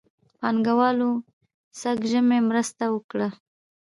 پانګهوالو سږ ژمی مرسته وکړه.